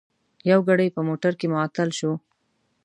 یو ګړی په موټر کې معطل شوو.